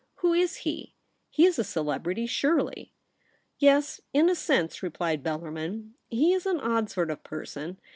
Who Is he ? He Is a celebrity, surely.' ' Yes ; In a sense,' replied Bellarmin. * He is an odd sort of person.